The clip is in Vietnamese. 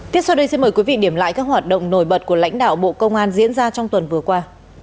tiếp sau đây xin mời quý vị điểm lại các hoạt động nổi bật của lãnh đạo bộ công an diễn ra trong tuần vừa qua